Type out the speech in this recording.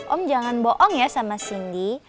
om jangan bohong ya sama cindy